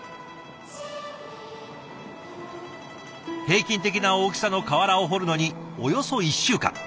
平均的な大きさの瓦を彫るのにおよそ１週間。